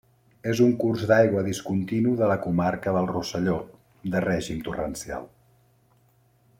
És un curs d'aigua discontinu de la comarca del Rosselló, de règim torrencial.